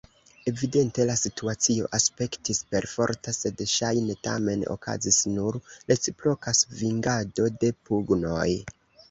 Evidente la situacio aspektis perforta, sed ŝajne tamen okazis nur reciproka svingado de pugnoj.